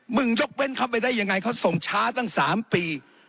ยกเว้นเขาไปได้ยังไงเขาส่งช้าตั้ง๓ปี